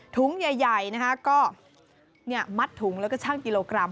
ถุงใหญ่นะคะก็มัดถุงแล้วก็ช่างกิโลกรัม